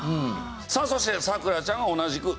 さあそして咲楽ちゃんは同じく名札。